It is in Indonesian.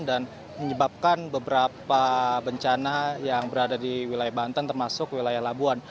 dan menyebabkan beberapa bencana yang berada di wilayah banten termasuk wilayah labuan